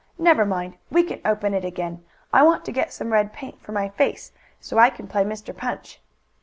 "Never mind, we can open it again. I want to get some red paint for my face, so I can play Mr. Punch."